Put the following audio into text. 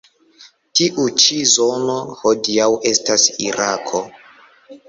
Tiu ĉi zono hodiaŭ estas Irako.